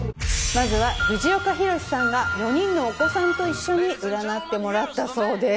まずは藤岡弘、さんが４人のお子さんと一緒に占ってもらったそうです。